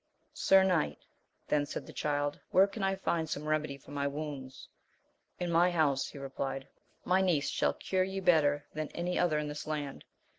Sir knight, then said the Child, where can I find some remedy for my wounds 1 In my house, he replied ; my niece shall cure ye better than any other in this land.